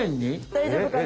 大丈夫かな。